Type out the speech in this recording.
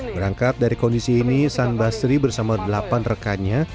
berangkat dari kondisi ini san basri bersama delapan rekannya